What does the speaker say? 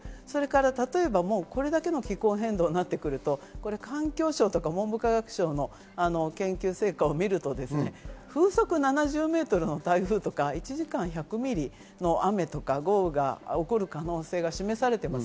例えば、これだけの気候変動になってくると、環境省とか文部科学省の研究成果を見ると風速７０メートルの台風とか、１時間１００ミリの雨とか、豪雨が起こる可能性が示されています。